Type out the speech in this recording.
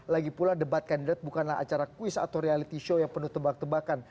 lagipula debat kandidat bukanlah acara kuis atau reality show yang penuh tebak tebakan